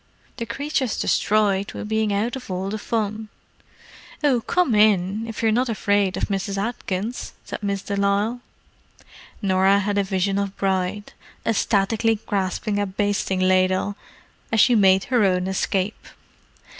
"The creature's destroyed with bein' out of all the fun." "Oh, come in—if you're not afraid of Mrs. Atkins," said Miss de Lisle. Norah had a vision of Bride, ecstatically grasping a basting ladle, as she made her own escape.